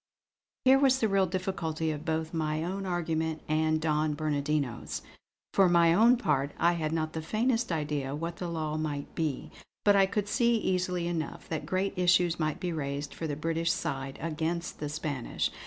Here was the real difficulty of both my own argument and Don Bernardino's. For my own part, I had not the faintest idea of what the law might be; but I could see easily enough that great issues might be raised for the British side against the Spanish.